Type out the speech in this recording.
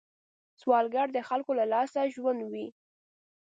سوالګر د خلکو له لاسه ژوندی وي